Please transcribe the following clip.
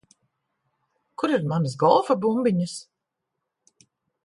Kur ir manas golfa bumbiņas?